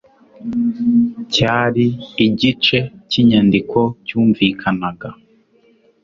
cyari igice cy'inyandiko cyumvikanaga